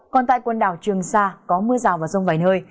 còn tại quần đảo trường sa có mưa rào và rông vài nơi